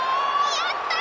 やった！